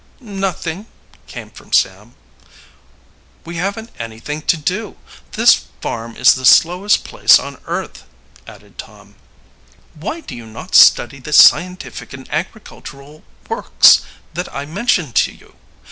"Nothing," came from Sam. "We haven't anything to do. This farm is the slowest place on earth," added Tom. "Why do you not study the scientific and agricultural works that I mentioned to you?